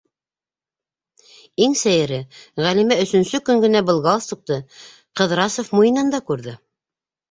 Иң сәйере - Ғәлимә өсөнсө көн генә был галстукты Ҡыҙрасов муйынында күрҙе.